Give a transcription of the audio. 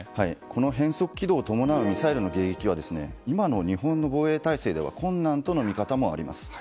この変則軌道を伴うミサイルの迎撃は今の日本の防衛体制では困難との見方もあります。